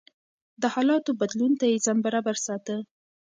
د حالاتو بدلون ته يې ځان برابر ساته.